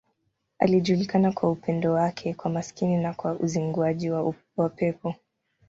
Alijulikana kwa upendo wake kwa maskini na kwa uzinguaji wa pepo.